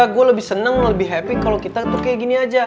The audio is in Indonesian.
gue lebih seneng lebih happy kalau kita tuh kayak gini aja